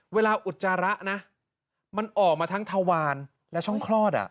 อุจจาระนะมันออกมาทั้งทวารและช่องคลอด